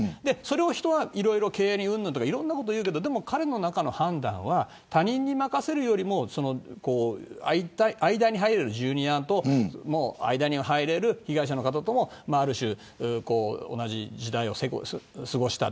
経営うんぬんとかいろいろ人は言うけど彼の中の判断は他人に任せるよりも間に入れるジュニアと間に入れる被害者の方ともある種、同じ時代を過ごした。